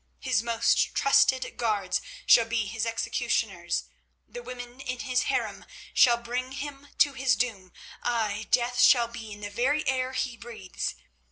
His most trusted guards shall be his executioners. The women in his harem shall bring him to his doom—ay, death shall be in the very air he breathes.